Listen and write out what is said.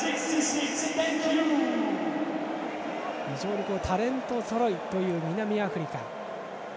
非常のタレントぞろいという南アフリカ。